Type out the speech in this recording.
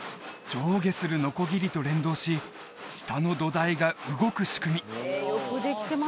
上下するのこぎりと連動し下の土台が動く仕組み